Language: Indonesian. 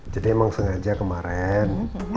jadi emang sengaja kemaren